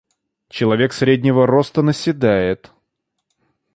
Человек среднего роста наседает.